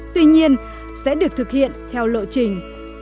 tuy nhiên sẽ được thực hiện theo lộ trình